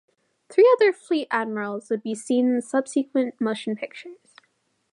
Three other fleet admirals would be seen in subsequent motion pictures.